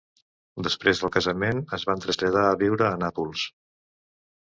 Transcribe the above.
Després del casament es van traslladar a viure a Nàpols.